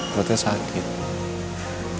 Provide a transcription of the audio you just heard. berarti saat itu